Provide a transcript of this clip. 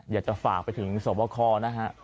อย่าจะฝากไปถึงศพว่าข้อนะฮะ